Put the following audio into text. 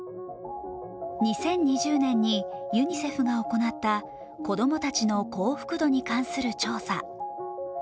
２０２０年にユニセフが行った子供たちの幸福度に関する調査。